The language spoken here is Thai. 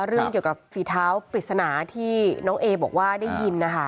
เรื่องเกี่ยวกับฝีเท้าปริศนาที่น้องเอบอกว่าได้ยินนะคะ